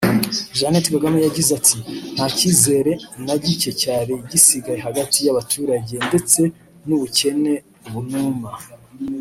Jeannette Kagame yagize ati “Nta cyizere na gike cyari gisigaye hagati y’abaturage ndetse n’ubukene bunuma